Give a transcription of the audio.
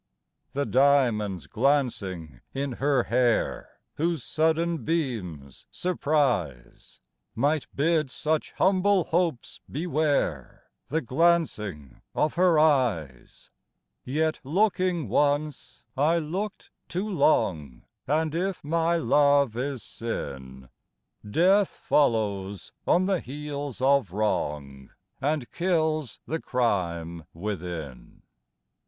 The diamonds glancing in her hair, Whose sudden beams surprise, Might bid such humble hopes beware The glancing of her eyes; Yet looking once, I look'd too long, And if my love is sin, Death follows on the heels of wrong, And kills the crime within.